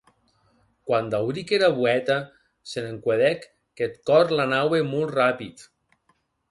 Quan dauric era boèta, se n'encuedèc qu'eth còr l'anaue molt rapid.